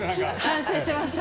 反省してました、